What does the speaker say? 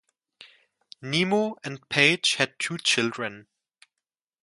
Nemo and Page had two children.